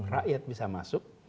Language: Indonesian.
rakyat bisa masuk